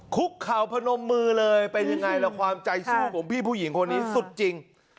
คุกเข่าพนมมือเลยเป็นยังไงล่ะความใจสู้ของพี่ผู้หญิงคนนี้สุดจริง